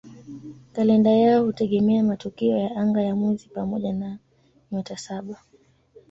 Kalenda yao hutegemea matukio ya anga ya mwezi pamoja na "Nyota Saba".